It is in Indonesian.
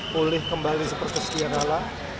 pulih kembali seperti setiap ala